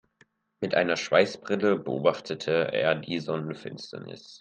Mit einer Schweißbrille beobachtete er die Sonnenfinsternis.